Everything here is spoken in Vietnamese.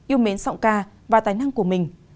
yêu mến sọng ca và tài năng của mình